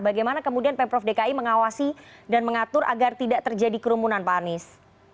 bagaimana kemudian pemprov dki mengawasi dan mengatur agar tidak terjadi kerumunan pak anies